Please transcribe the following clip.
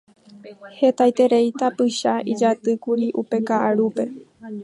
Hetaiterei tapicha ijatýkuri upe kaʼarúpe.